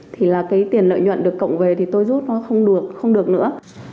thì là cái tiền lợi nhuận được cộng về thì tôi rút nó không được không được nữa